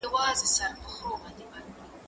کېدای سي ليکنې اوږدې وي؟!